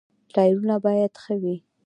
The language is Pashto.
ټایرونه باید ښه وي.